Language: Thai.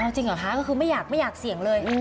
จริงเหรอคะก็คือไม่อยากเสี่ยงเลย